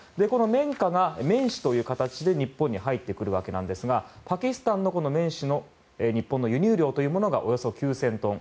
綿花が綿糸という形で日本に入ってきますがパキスタンの綿糸の日本の輸入量がおよそ９０００トン。